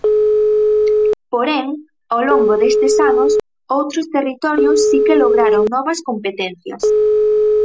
Porén, ao longo destes anos, outros territorios si que lograron novas competencias.